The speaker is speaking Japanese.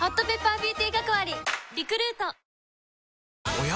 おや？